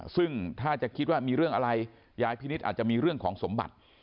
ซึ่งถ้าจะคิดว่ามีเรื่องอะไรยายพินิษฐ์อาจจะมีเรื่องของสมบัติ